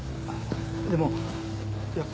でもやっぱ俺。